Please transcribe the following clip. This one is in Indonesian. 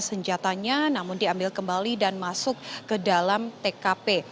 senjatanya namun diambil kembali dan masuk ke dalam tkp